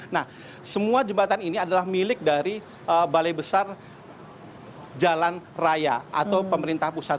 nah semua jembatan ini adalah milik dari balai besar jalan raya atau pemerintah pusat